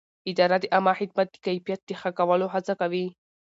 اداره د عامه خدمت د کیفیت د ښه کولو هڅه کوي.